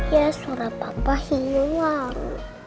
ya surat papa ini doang